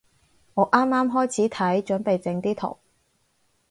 我啱啱開始睇，準備整啲圖